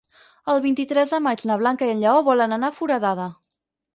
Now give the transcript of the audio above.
El vint-i-tres de maig na Blanca i en Lleó volen anar a Foradada.